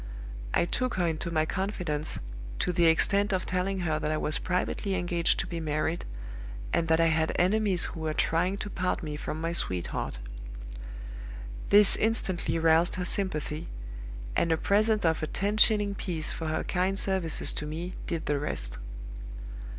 I took her into my confidence, to the extent of telling her that I was privately engaged to be married, and that I had enemies who were trying to part me from my sweetheart. This instantly roused her sympathy, and a present of a ten shilling piece for her kind services to me did the rest.